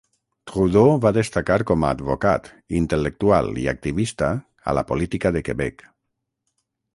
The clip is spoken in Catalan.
Trudeau va destacar com a advocat, intel·lectual i activista a la política de Quebec.